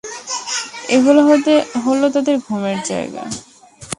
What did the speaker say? এগুলো হল তাদের ঘুমের জায়গা।